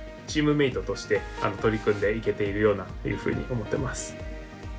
チームメイトとして取り組んでいけているようなっていうふうに思ってます。